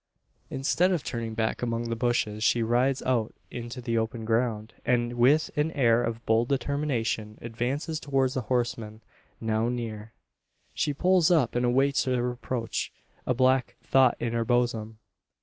Instead of turning back among the bushes, she rides out into the open ground; and with an air of bold determination advances towards the horsemen, now near. She pulls up, and awaits their approach; a black thought in her bosom.